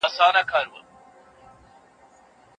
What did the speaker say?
دوست ته حال وایه دښمن ته لافي وهه.